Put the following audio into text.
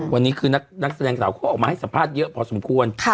วันนี้คือนักแสดงสาวเขาออกมาให้สัมภาษณ์เยอะพอสมควร